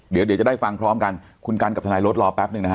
เดี๋ยวเดี๋ยวจะได้ฟังพร้อมกันคุณกันกับทนายรถรอแป๊บหนึ่งนะฮะ